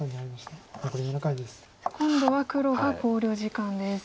さあ今度は黒が考慮時間です。